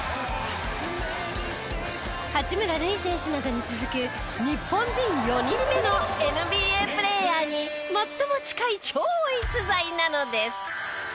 八村塁選手などに続く日本人４人目のＮＢＡプレーヤーに最も近い超逸材なのです。